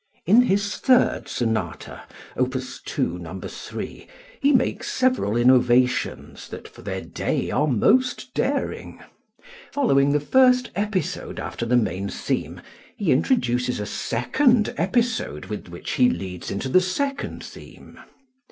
In his third sonata (Opus 2, No. 3) he makes several innovations that, for their day, are most daring. Following the first episode after the main theme, he introduces a second episode with which he leads into the second theme.